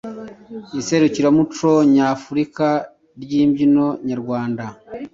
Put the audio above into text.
Iserukiramuco Nyafurika ry’Imbyino nyarwanda